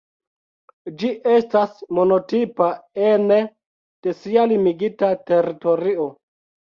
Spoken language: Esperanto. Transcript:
Ĝi estas monotipa ene de sia limigita teritorio.